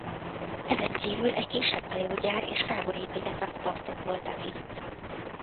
Ezen kívül egy kisebb hajógyár és fából épített rakpartok voltak itt.